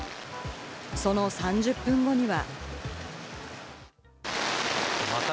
その３０分後には。